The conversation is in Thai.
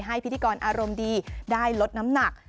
พิธีกรอารมณ์ดีได้ลดน้ำหนัก